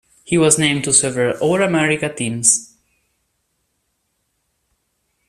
He was named to several All-America teams.